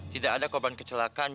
tidak ada korban kecelakaan